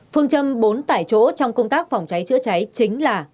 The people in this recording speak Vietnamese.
phương châm bốn tại chỗ trong công tác phòng cháy chữa cháy chính là